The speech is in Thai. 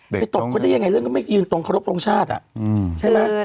ไปตบก็ได้ยังไงเรื่องก็ไม่ยืนตรงครบตรงชาติ